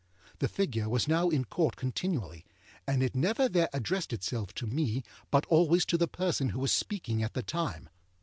The figure was now in Court continually, and it never there addressed itself to me, but always to the person who was speaking at the time.